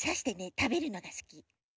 たべるのがすき。